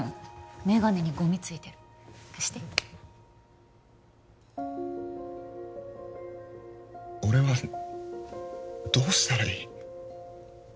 眼鏡にゴミついてる貸して俺はどうしたらいい？